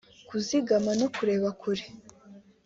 kuzigama no kureba kure